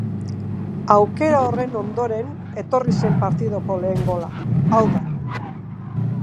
Aukera horren ondoren etorri zen partidako lehen gola, hau da.